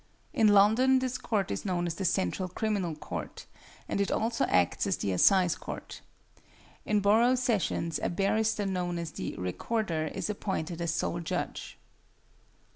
In London this court is known as the Central Criminal Court, and it also acts as the Assize Court. In Borough Sessions a barrister known as the Recorder is appointed as sole judge.